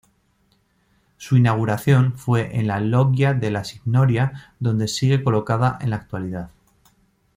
Su inauguración fue en la "Loggia della Signoria", donde sigue colocada en la actualidad.